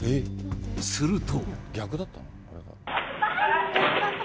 すると。